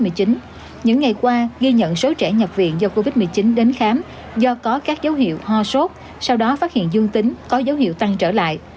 bệnh viện nhi đồng hai tp hcm ghi nhận số trẻ nhập viện do covid một mươi chín đến khám do có các dấu hiệu ho sốt sau đó phát hiện dương tính có dấu hiệu tăng trở lại